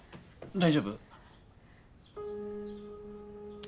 大丈夫？